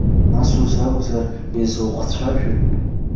Нас, ус акәзар, изухцәажәои?